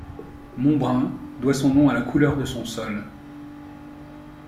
Monbrun doit son nom à la couleur de son sol.